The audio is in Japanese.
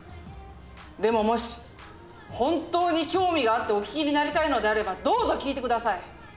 でももし本当に興味があってお聞きになりたいのであればどうぞ聞いて下さい！